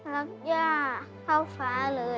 รักย่าเข้าฟ้าเลย